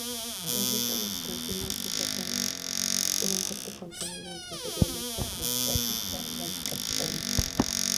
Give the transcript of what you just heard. Las letras de su canciones destacan por un fuerte contenido anti-imperilista, anti-fascista, y anti-capitalista.